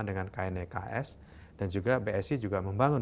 dengan kneks dan juga bsi juga membangun